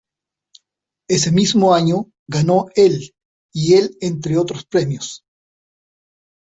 Ese mismo año, ganó el y el entre otros premios.